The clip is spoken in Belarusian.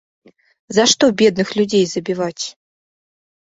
За што бедных людзей забіваць?